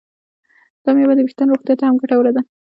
دا میوه د ویښتانو روغتیا ته هم ګټوره ده.